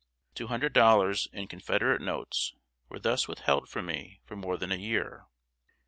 Two hundred dollars in Confederate notes were thus withheld from me for more than a year.